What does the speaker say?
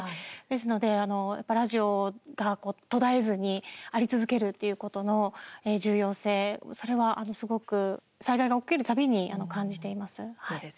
ですのでラジオが途絶えずにあり続けるっていうことの重要性それは、すごく災害が起きる度に感じています。